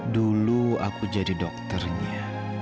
dulu aku jadi dokternya